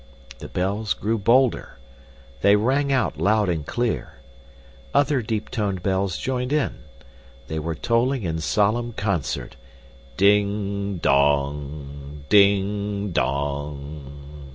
The bells grew bolder; they rang out loud and clear. Other deep toned bells joined in; they were tolling in solemn concert ding, dong! ding, dong!